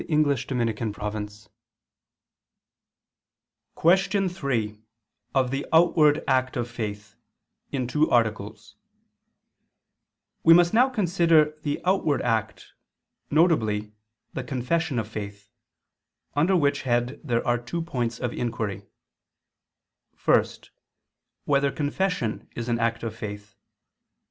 _______________________ QUESTION 3 OF THE OUTWARD ACT OF FAITH (In Two Articles) We must now consider the outward act, viz. the confession of faith: under which head there are two points of inquiry: (1) Whether confession is an act of faith?